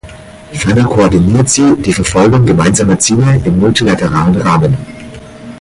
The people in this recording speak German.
Ferner koordiniert sie die Verfolgung gemeinsamer Ziele im multilateralen Rahmen.